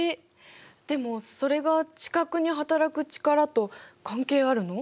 でもそれが地殻にはたらく力と関係あるの？